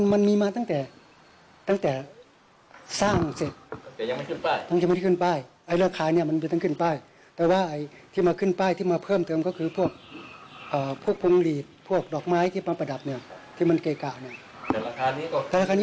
เสียงของโยมมันบางคนเขาพอใจบางคนคือไม่พอใจนะแต่จริงธามาน